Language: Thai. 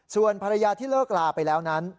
ส่วนภรรยาที่เลิกลาไปแล้วนั้น